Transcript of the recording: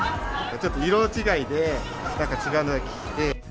ちょっと色違いで、なんか違うの着て。